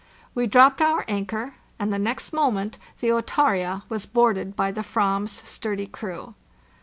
We dropped our anchor, and the next moment the Ofarza was boarded by the /vam's sturdy crew.